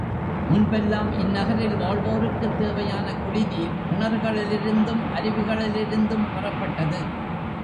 முன்பெல்லாம், இந்நகரில் வாழ்வோருக்குத் தேவையான குடிநீர், கிணறுகளிலிருந்தும், அருவிகளிலிருந்தும் பெறப்பட்டது.